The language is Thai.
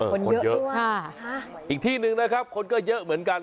คนเยอะด้วยค่ะอีกที่หนึ่งนะครับคนก็เยอะเหมือนกัน